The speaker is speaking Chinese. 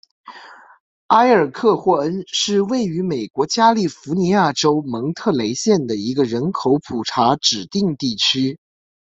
埃尔克霍恩是位于美国加利福尼亚州蒙特雷县的一个人口普查指定地区。